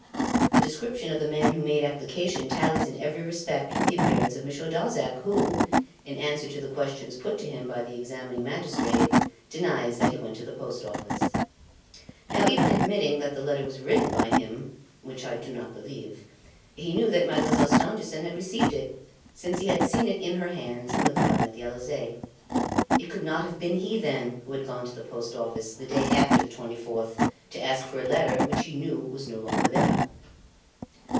The description of the man who made application tallies in every respect with the appearance of Monsieur Darzac, who, in answer to the questions put to him by the examining magistrate, denies that he went to the Post Office. Now even admitting that the letter was written by him which I do not believe he knew that Mademoiselle Stangerson had received it, since he had seen it in her hands in the garden at the Elysee. It could not have been he, then, who had gone to the Post Office, the day after the 24th, to ask for a letter which he knew was no longer there.